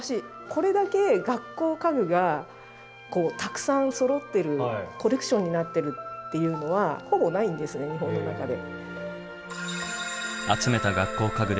これだけ学校家具がたくさんそろってるコレクションになってるっていうのはほぼないんですね日本の中で。